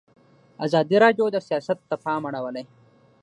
ازادي راډیو د سیاست ته پام اړولی.